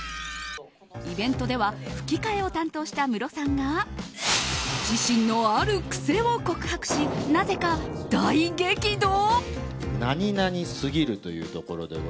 イベントでは吹き替えを担当したムロさんが自身のある癖を告白しなぜか大激怒？